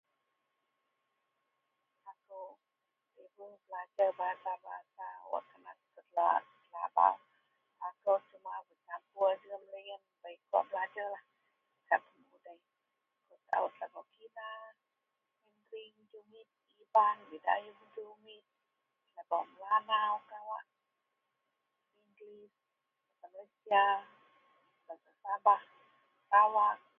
Sukan berkumpulan seperti sukan bolasepak